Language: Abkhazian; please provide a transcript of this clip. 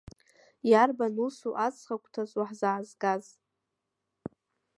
Иарбан усу аҵхагәҭаз уаҳзаазгаз?